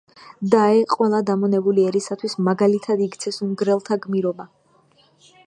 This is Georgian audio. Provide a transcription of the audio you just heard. დაე, ყველა დამონებული ერისათვის მაგალითად იქცეს უნგრელთა გმირობა!